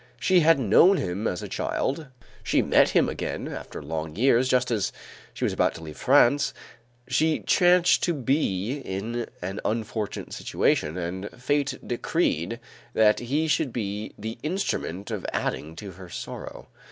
She had known him as a child; she met him again, after long years, just as she was about to leave France; she chanced to be in an unfortunate situation, and fate decreed that he should be the instrument of adding to her sorrow.